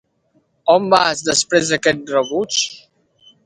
On va després d'aquest rebuig?